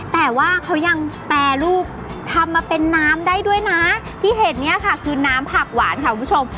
แต่ว่าเขายังแปรรูปทำมาเป็นน้ำได้ด้วยนะที่เห็นเนี่ยค่ะคือน้ำผักหวานค่ะคุณผู้ชม